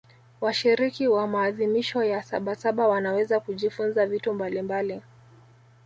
washiriki wa maadhimisho ya sabasaba wanaweza kujifunza vitu mbalimbali